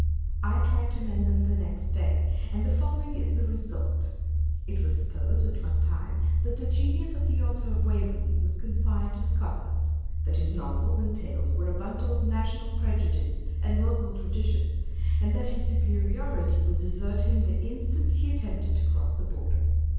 I tried to mend them the next day, and the following is the result. â€" It was supposed at one time that the genius of the Author of Waverley was confined to Scotland ; that his Novels and Tales were a bundle of national prejudices and local traditions, and that his superiority would desert him the instant he attempted to cross the Border.